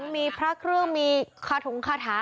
มีพระเครื่องมีคาถุงคาถา